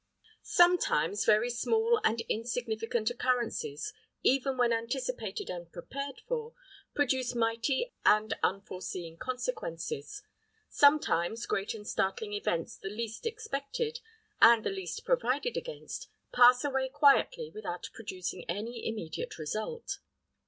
Sometimes very small and insignificant occurrences, even when anticipated and prepared for, produce mighty and unforeseen consequences; sometimes great and startling events the least expected, and the least provided against, pass away quietly without producing any immediate result.